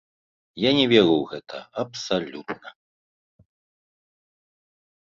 Я не веру ў гэта абсалютна.